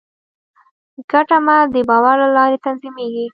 ګډ عمل د باور له لارې تنظیمېږي.